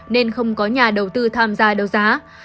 nên không có nhà đầu tư tham gia đấu giá